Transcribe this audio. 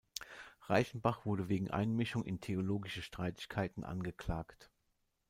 Reichenbach wurde wegen Einmischung in theologische Streitigkeiten angeklagt.